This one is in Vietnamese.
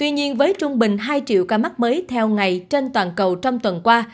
nhưng với trung bình hai triệu ca mắc mới theo ngày trên toàn cầu trong tuần qua